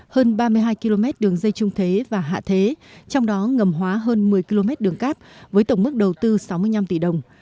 hơn ba mươi hai km đường dây trung thế và hạ thế trong đó ngầm hóa hơn một mươi km đường cát với tổng mức đầu tư sáu mươi năm tỷ đồng